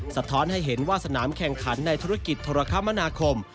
สะท้อนให้เห็นว่าสนามแข่งขันในธุรกิจโทรคมนาคม